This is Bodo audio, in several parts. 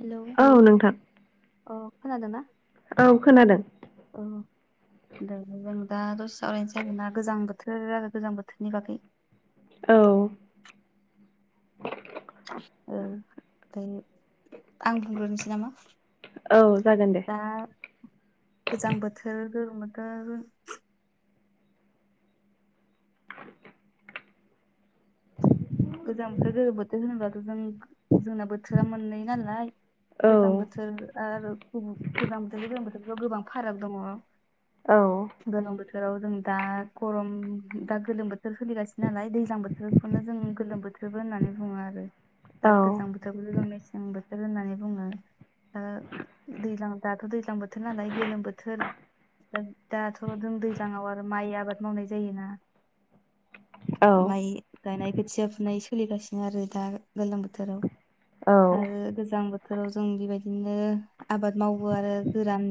हेलौ औ नोंथां अ खोनादों ना औ खोनादों नोंथांजों दा दसे सावरायनोसै आरोना गोजां बोथोर आरो गोजां बोथोरनि बागै औ औ ओमफ्राय आं बुंग्रोनोसै नामा औ जागोन दे दा गोजां बोथोर गोलो बोथोर गोजां बोथोर गोलोम बोथोर होनोबाथ' जों जोंना बोथोरा मोननै नालाय औ गोजां बोथोर आरो गुबुन गोजां बोथोर गोजां बोथोरफ्राथ गोबां फाराग दङ औ गोलोम बोथोराव जों दा गरम दा गोलोम बोथोर सोलिगासिनो नालाय दैज्लां बोथोरखौनो जों गोलोम बोथोरबो होननानै बुङो आरो दा औ गोजां बोथोरखौबो जों मेसें बोथोर होननानै बुङो दाथ दैज्लां दैज्लां बोथोर नालाय गोलोम बोथोर दा दाथ' जों दैज्लां ङाव आरो माइ आबाद मावनाय जायोना औ माइ गायनाय खोथिया फुनाय सोलिगासिनो आरो दा गोलोम बोथोराव औ आरो गोजां बोथोर बोथोराव जों बेबायदिनो आबाद मावो आरो गोरान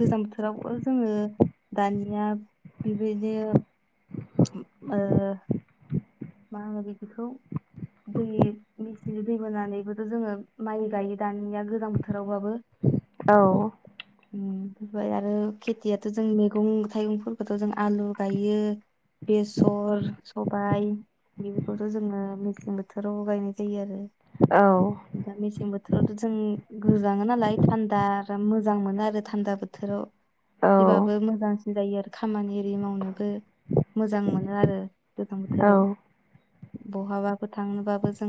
गोजां बोथोरावबो जोङो दानिया बेबायदिनो मा होनो बिदिखौ दै मेसिनजों दै बोनानैबोथ' जोङो माइ गायो दानिया गोजां बोथोरावबाबो औ बाय आरो खेथियाथ' जों मैगं थाइगंफोरखौथ' जों आलु गायो बेसर सबाइ बेफोरखौथ' जोङो मेसें बोथोराव गायनाय जायो आरो दा मेसें बोथोर बोथोरावथ' जों गोजाङो नालाय थान्दा आरो मोजां मोनो आरो थान्दा बोथोराव बिबाबो मोजांसिन जायो आरो खामानि एरि मावनोबो मोजां मोनो आरो गोजां बोथोराव बहाबफोरो थांनोबाबो जों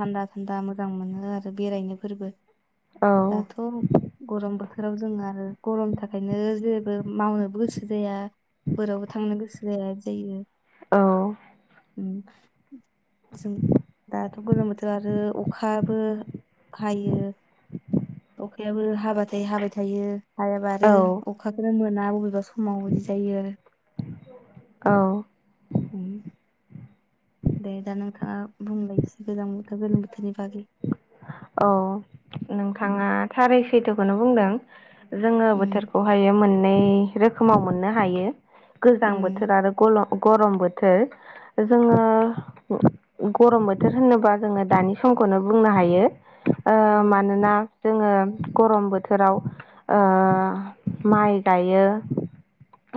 थान्दा थान्दा मोजां मोनो आरो बेरायनो फोरबो दाथ' गरम बोथोराव जों आरो गरमनि थाखायनो जेैबो मावनोबो गोसो जाया बाहेरावबो थांनो गोसो जाया जायो उम जों दाथ' गोलोम बोथोर आरो अखाबो हायो अखायाबो हाबाथाय हाबाय थायो हायाबा औ आरो अखाखोनो मोना बबेबा समाव बिदि जायो आरो औ उम दे दा नोंथाङा बुंबायसै गोजां बोथोर गोलोम बोथोरनि बागै औ उम नोंथाङा थारै सैथोखौनो बुंदों जोङो उम बोथोरखौहायो मोननै रोखोमाव मोननो हायो गोजां उम बोथोर आरो गल गरम बोथोर जोङो गरम बोथोर होनोबा जोङो दानि समखौनो बुंनो हायो ओ औ मानोना जोङो गरम बोथोराव माइ गायो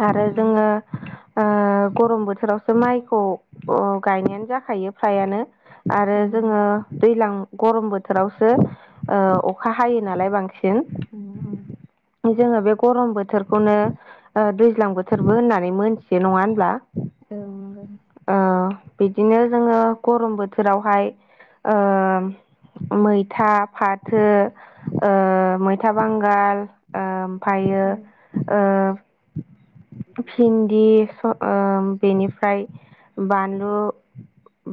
आरो उम जोङो आ गरम बोथोरावसो माइखौ गायनायानो जाखायो फ्रायानो आरो उम जोङो दैलां गरम बोथोरावसो ओ अखा हायो नालाय बांसि उम उम फाय जोङो बे गरम बोथोरखौनो ओ दैज्लां बोथोरबो होननानै मोनथियो नङा होनब्ला औ नंगौ ओ बिदिनो जोङो गरम बोथोरावहाय ओम मैथा फाथो ओ मैथा बांगाल ओम फायो औ ओ भिन्दि स ओ बेनिफ्राय बानलु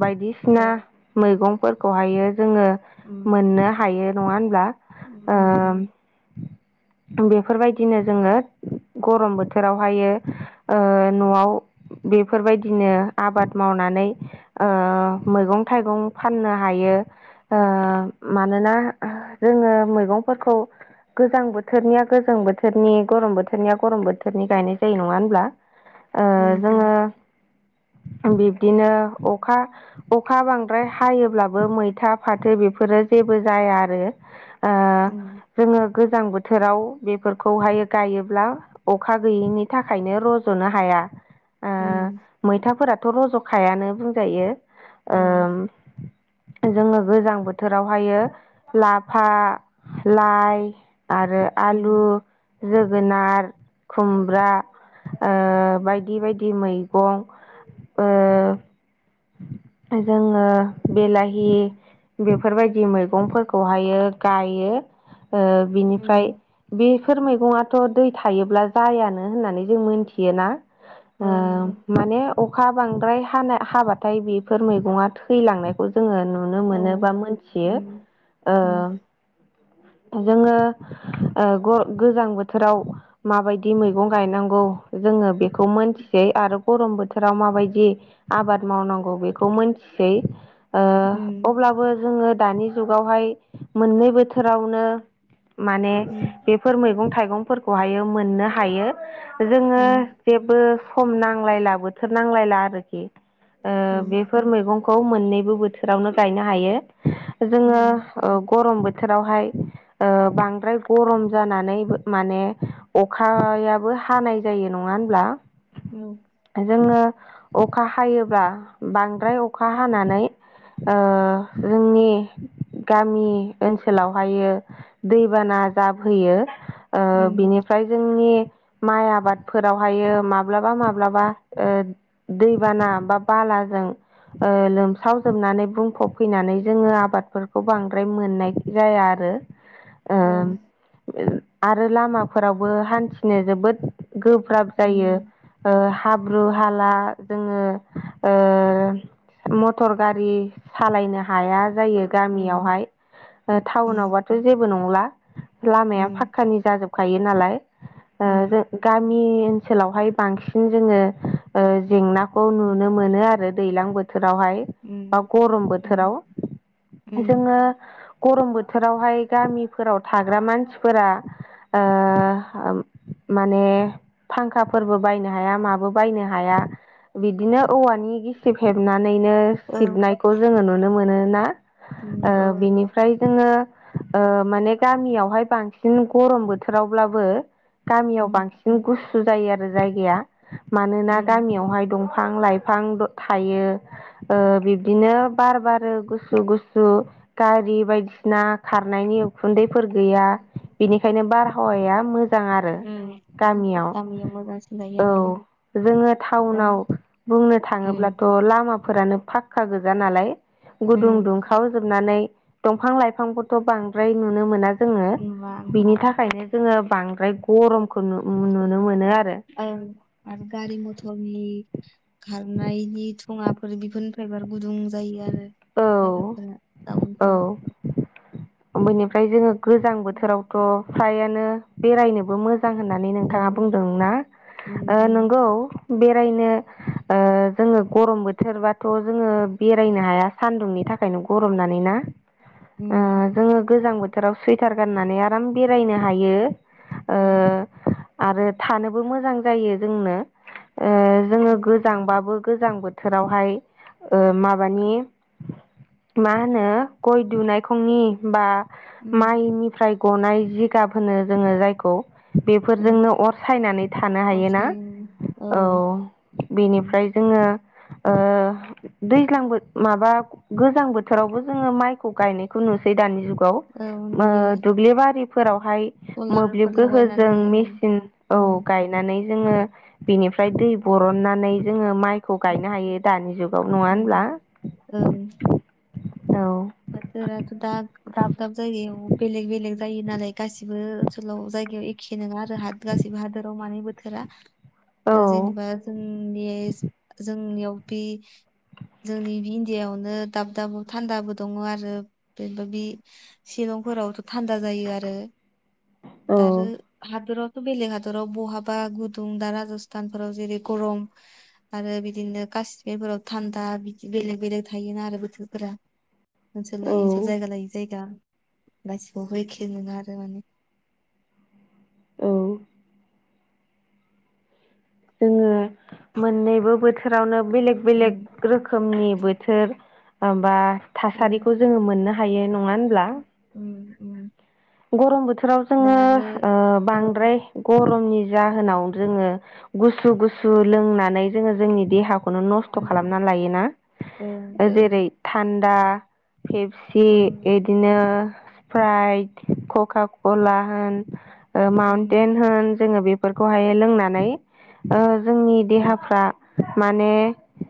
बायदिसिना औ मैगं फोरखौहायो जोङो उम मोननो हायो नङा होनब्ला उम उम उम ओम बेफोरबायदिनो जोङो गरम बोथोरावहायो ओ न'आव बेफोरबायदिनो आबाद मावनानै ओ मैगं थाइगं फाननो हायो यो [inaudible] मानोना आ जोङो मैगंफोरखौ गोजां बोथोरनिया गोजां बोथोरनि गरम बोथोरनिया गरम बोथो थोरनि गायनाय जायो नङा होनब्ला उम उम जोङो बिब्दिनो अखा अखा बांद्राय हायोब्लाबो मैथा फाथो बेफोरो जेबो जाया आरो आ उम जोङो गोजां बोथोराव बेफोरखौहाय गायोब्ला अखा गैयिनि थाखायनो रज'नो हाया दा उम ओ मैथाफोराथ' रज'खायानो बुंजायो औ ओम जोङो गोजां बोथोरावहायो लाफा लाइ आरो उम आलु जोगोनार खुमब्रा ओ बायदि बायदि मैगं ओ जोङो बिलाहि बेफोरबायदि मैगंफोरखौहायो गायो ओ बिनिफ्राय उम बेफोर मै गङाथ' दै थायोब्ला जायानो होननानै जों मोनथियोना ओ औ नंगौ माने अखा बांद्राय हानाय हाबा थाय बेफोर मैगङा थैलांनायखौ जोङो नु नुनो औ मोनो बा मोनथियो ओ जोङो ओ ग गोजां बोथोराव माबायदि मैगं गायनांगौ जोङो बेखौ मोनथिसै आरो गरम बोथोराव माबायदि आबाद मावनांगौ बेखौ मिनथिसै ओ अब्लाबो जोङो दानि जुगावहाय मोननै बोथोरावनो माने बेफोर मैगं थाइगं फोरखौहायो मोननो हायो जोङो जेबो सम नांलायला बोथोर नांलायला आरोखि बेफोर मैगं खौ मोननैबो बोथोरावनो गायनो हायो जोङो ओ गरम बोथोरावहाय ओ बांद्राय गरम जानानै माने अखायाबो हानाय जायो न ङा होनब्ला औ जोङो अखा हायोब्ला बांद्राय अखा हानानै ओ जोंनि गामि ओनसोलावहायो दैबाना जाबहोयो ओ बिनिफ्राय जोंनि माइ आबादफोरावहायो माब्लाबा माब्लाबा ओ दै। बाना बा बालाजों। लोमसावजोबनानै बुंफबफैनानै जोङो आबादफोरखौ बांद्राय मोननाय जाया आरो ओ आरो लामाफोरावबो हान्थिनो जोबोद गोब्राब जायो हाब्रु हाला ओ मटर गारि सालायनो हाया जायो गामियावहाय टाउनावबाथ' जेबो नंला। लामाया फाख्कानि जाजोबखायो नालाय ओ जों गामि ओनसोलावहाय बांसिन जोङो जेंनाखौ नुनो मोनो आरो। दैज्लां बोथोरावहाय बा गरम बोथोराव जोङो। गरम बोथोरावहाय गामिफोराव थाग्रा मानसिफोरा। माने फांखाफोरबो बायनो हाया माबो बायनो हाया। बिदिनो औवानि गिसिब हेबनानैनो औ सिबनायखौ जोङो नुनो मोनोना। नंगौ बिनिफ्राय जोङो माने गामियावहाय बांसिन बांसिन गरम बोथोरावब्लाबो गामियाव बांसिन गुसु जायो आरो जायगाया। मानोना गामियावहाय दंफां लाइफां थायो बिब्दिनो बार बारो गुसु गुसु गारि बायदिसिना खारनायनि उखुन्दै फोर गैया बेनिखायनो बारहावाया मोजां। मोजां आरो गामियाव मोजांसिन जायो आरो औ जोङो दा टाउनाव। बुंनो थाङोब्लाथ' लामाफोरानो फाखक्का गोजा नालाय। गुदुं दुंखाव जोबनानै दंफां लाइफांफोरथ' बांद्राय नुनो मोनाखै। जोङो माबा बिनि थाखायनो जोङो बांद्राय गरम। औ आरो गारि मथरनि खारनायनि थुङाफोर बेफोरनिफ्रायबार गुदुं जायो आरो। औ [unintelligible] औ टाउनफोराव बेनिफ्राय जोङो गोजां बोथोरावथ' फ्रायानो बेरायनोबो मोजां। मोजां होननानै औ नोंथाङा बुंदोंना उम उम नंगौ बेरायनो। जोङो गरम बोथोरबाथ' जोङो बेरायनो हाया। सानदुंनि थाखायनो गरमनानै ना उम जोङो गोजां बोथोराव सुइटार। गाननानै आराम बेरायनो हायो उम आरो थानोबो मोजां जायो जोंनो जोङो गोजांबाबो गोजांबो। बोथोरावहाय माबानि मा होनो गय दुनायखंनि बा उम माइनिफ्राय गनाय जि गाब होनो जोङो जायखौ उम बेफोरजोंनो अर सायनानै थानो अर हायोना। सायो औ उम बेनिफ्राय जोङो दैज्लांबो माबा गोजां बोथोरावबो जोङो माइखौ गायनायखौ नुसै दानि जुगाव। औ नुयो दुब्लिबारिफोराव मोब्लिब सलारफोर गोहोजों लगायनानै ओं मेसिन औ उम गायनानै। जोङो बिनिफ्राय दै बरनानै जोङो। माइखौ गायनो हायो दानि जुगाव नङा होनब्ला। औ। औ बोथोराथ दा दाब दाब जायगायाव बेलेग बेलेग। जायो नालाय गासिबो ओनसोलाव जायगायाव एखे नङा आरो गासिबो हादोराव मानै बोथोरा। औ दा जेनेबा जोंनि जोंनियाव जोंनि इण्डियायावनो दाब दाब थान्दा बो दङ आरो बेबाबि शिलंफोरावथ' थान्दा जायो आरो औ दा आरो हादराव बेलेग हादराव बहाबा गुदुं दा राजस्थानफोराव जेरै गरम आरो बिदिनो गासिबोफोराव थान्दा बिदि बेलेग बेलेग थायोना आरो बोथोरफोरा ओनसोल लायै जायगा औ लायै जायगा गासैखौबो एखे नडा आरो माने औ जोङो मोननैबो बोथोरावनो बेलेक उम बेलेक रोखोमनि बोथोर बा औ थासारिखौ जों मोननो हायो हायो नङा होनब्ला उ गरम बोथोराव जोङो औ बांद्राय गरमनि जाहोनाव जोङो गुसु गुसु लोंनानै जोङो जोंनि देहाखौ नो नस्थ' उम खालामनानै लायोना ओं ओं जेरै थान्दा पेपसि गरमनि बिदिनो स्पाइट कका कला होन उम माउन्टेन होन जोङो बेफोरखौहाय लोंनानै जोंनि ओं देहाफ्रा माने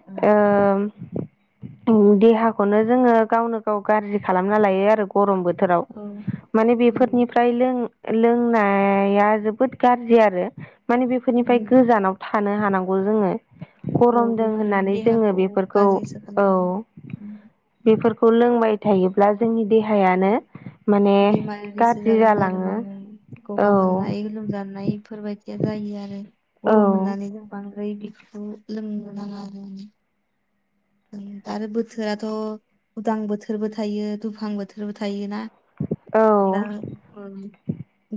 ओं उ देहाखौनो जोङो गावनो गाव गाज्रि खालामना लायो आरो गरमबो बोथोराव औ माने उम बेफोरनिफ्राय लों लोंनाया जोबोद गाज्रि आरो माने बेफोरनिफ्राय उम, गोजानाव थानो हानांगौ खौ जोङो औ गरमदों बेफोरो होननानै जोङो देहाखौ बेफोरखौ गाज्रिसो औ खालामो उम, बेफोरखौ खौ लोंबाय थायोब्ला जोंनि देहायानो माने बिसो जालाङो आरो मा होनो गगा औ मोननाय लोमजानाय बेफोरबायदिया जायो आरो औ गरम होननानै जों बांद्राय बेफोरखौ लोंनो नाङा जों आरो बोथोराथ' उदां बोथोरबो थायो दुफां बोथोरबो थायोना औ दा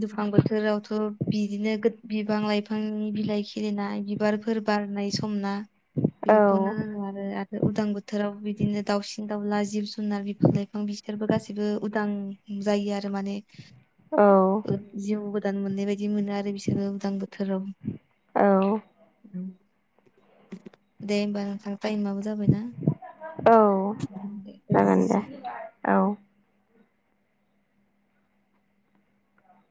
दुफां बोथोरावथ' बिदिनो बिफां लाइफांनि बिलाइ खिलिनाय बिबारफोर सोर बारनाय समना बेफोरखौनो होनो आरो उदां बोथोराव बिदिनो दाउसिन दाउला जिब जुनार जुनार बिफां लाइफां बिसोरबो गासिबो उदां जायो आरो माने औ उदान मोननाय बायदि मोनो आरो बिसोरो उदां बोथोराव औ दे होनबा नोंथां टाइमा जाबायना औ जागोन दे औ